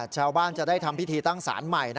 ชาวบ้านจะได้ทำพิธีตั้งค่ะ